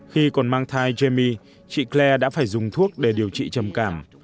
khi còn mang thai jamie chị claire đã phải dùng thuốc để điều trị trầm cảm